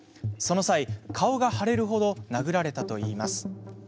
その際、顔が腫れるほど殴られたといいます。